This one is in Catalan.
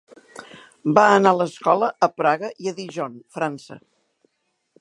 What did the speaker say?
Va anar a l'escola a Praga i a Dijon, França.